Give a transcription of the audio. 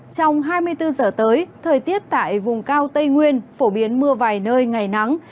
trong hai mươi bốn giờ tới thời tiết tại vùng cao tây nguyên phổ biến mưa vài nơi ngày nắng